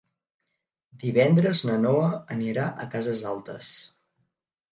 Divendres na Noa anirà a Cases Altes.